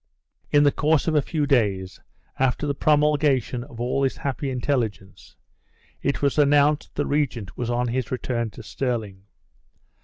In the course of a few days, after the promulgation of all this happy intelligence, it was announced that the regent was on his return to Stirling.